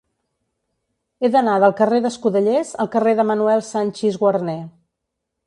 He d'anar del carrer d'Escudellers al carrer de Manuel Sanchis Guarner.